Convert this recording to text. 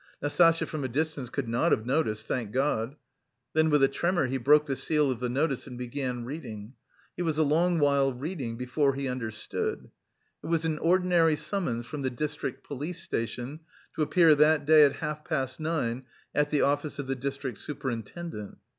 Nastasya from a distance could not have noticed, thank God!" Then with a tremor he broke the seal of the notice and began reading; he was a long while reading, before he understood. It was an ordinary summons from the district police station to appear that day at half past nine at the office of the district superintendent.